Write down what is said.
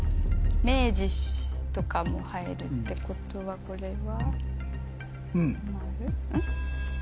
明治とかも入るってことはこれは「○」？